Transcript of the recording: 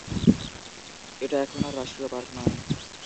এটা এখন আর রাষ্ট্রীয় পার্ক নয়।